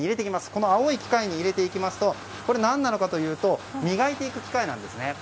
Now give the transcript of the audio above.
この青い機械に入れていきますとこれ、何かというと磨く機械なんですね。